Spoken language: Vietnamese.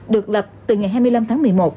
được lập từ ngày hai mươi năm tháng một mươi một